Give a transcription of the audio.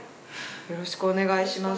よろしくお願いします。